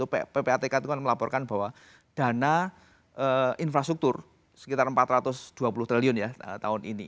ppatk itu kan melaporkan bahwa dana infrastruktur sekitar empat ratus dua puluh triliun ya tahun ini